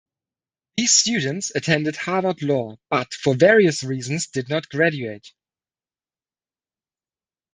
These students attended Harvard Law but, for various reasons, did not graduate.